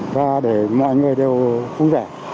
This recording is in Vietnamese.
và để mọi người đều vui vẻ